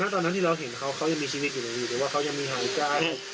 ตอนนั้นที่เราเห็นเขาเขายังมีชีวิตอยู่เลยอยู่หรือว่าเขายังมีหายใจ